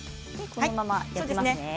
このまま焼きますね。